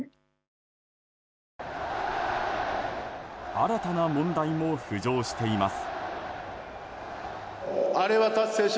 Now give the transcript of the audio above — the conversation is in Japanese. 新たな問題も浮上しています。